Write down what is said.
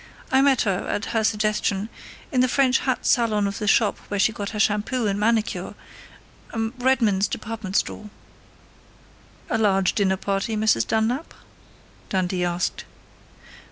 I met her, at her suggestion, in the French hat salon of the shop where she got her shampoo and manicure Redmond's department store." "A large dinner party, Mrs. Dunlap?" Dundee asked.